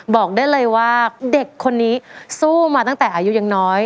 บอกได้เลยว่าเด็กคนนี้สู้มาตั้งแต่อายุยังน้อย